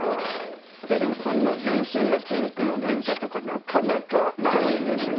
こんな全身がピンクの電車とかなかなかないですよねきっと。